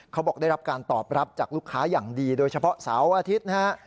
เขาบอกได้รับการตอบรับจากลูกค้าอย่างดีโดยเฉพาะเสาร์อาทิตย์นะฮะ